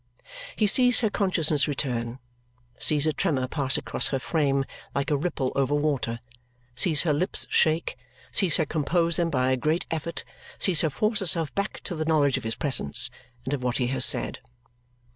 He sees her consciousness return, sees a tremor pass across her frame like a ripple over water, sees her lips shake, sees her compose them by a great effort, sees her force herself back to the knowledge of his presence and of what he has said.